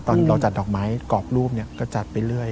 ตอนเราจัดดอกไม้กรอบรูปก็จัดไปเรื่อย